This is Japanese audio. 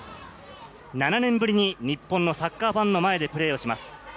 ７年ぶりに日本のサッカーファンの前でプレーをします。